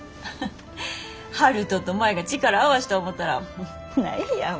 悠人と舞が力合わした思たら何やもううれしいわ。